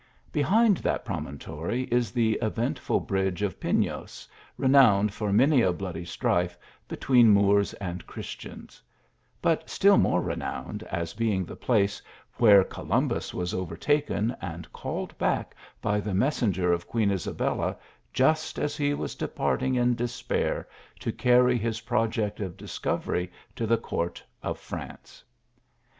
Behind that promontory, is the eventful bridge of Pinos, renowned for many a bloody strife between Moors and Christians ; but still more renowned as being the place where Columbus was overtaken and called back by the messenger of Queen Isabella, just as he was departing in despair to carry his project of discovery to the court of France.